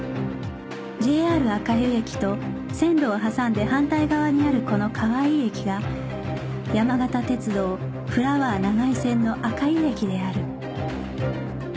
ＪＲ 赤湯駅と線路を挟んで反対側にあるこのかわいい駅が山形鉄道フラワー長井線の赤湯駅である